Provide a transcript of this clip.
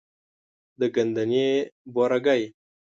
د ګندنې بورګی،